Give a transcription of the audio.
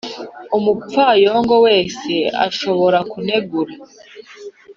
umupfayongo wese ashobora kunegura,